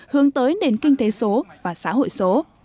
hướng tới nền kinh tế số và xã hội số